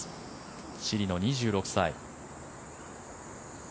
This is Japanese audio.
チリの２６歳。